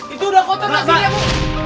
itu udah kotor mas gia bu